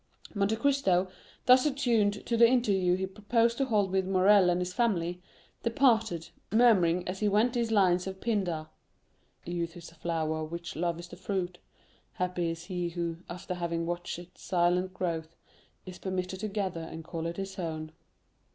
Monte Cristo, thus attuned to the interview he proposed to hold with Morrel and his family, departed, murmuring as he went these lines of Pindar, "Youth is a flower of which love is the fruit; happy is he who, after having watched its silent growth, is permitted to gather and call it his own."